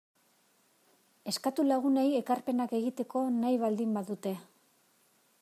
Eskatu lagunei ekarpenak egiteko nahi baldin badute.